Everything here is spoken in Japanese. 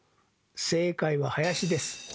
正解は林です。